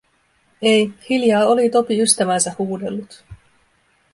Ei, hiljaa oli Topi ystäväänsä huudellut.